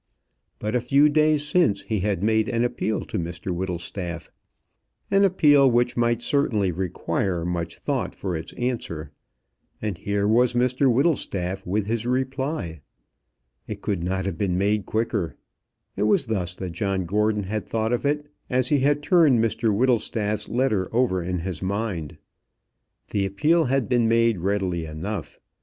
But a few days since he had made an appeal to Mr Whittlestaff an appeal which certainly might require much thought for its answer and here was Mr Whittlestaff with his reply. It could not have been made quicker. It was thus that John Gordon had thought of it as he had turned Mr Whittlestaff's letter over in his mind. The appeal had been made readily enough.